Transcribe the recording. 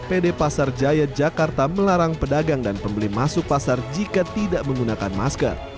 pd pasar jaya jakarta melarang pedagang dan pembeli masuk pasar jika tidak menggunakan masker